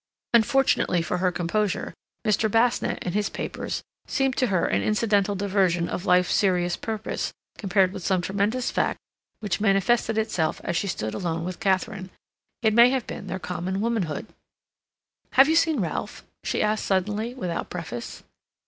Unfortunately for her composure, Mr. Basnett and his papers seemed to her an incidental diversion of life's serious purpose compared with some tremendous fact which manifested itself as she stood alone with Katharine. It may have been their common womanhood. "Have you seen Ralph?" she asked suddenly, without preface.